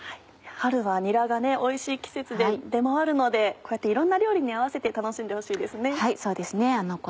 春はにらがおいしい季節で出回るのでこうやっていろんな料理に合わせて楽しんでほしいですね。